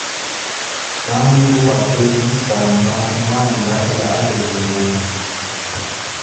Bandu bakwete mwisamba mwyanda ya abeja mbungu.